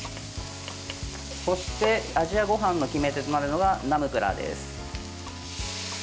そして、アジアごはんの決め手となるのがナムプラーです。